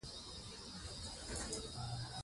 کلاب مخلص صحابي او غوره مسلمان و،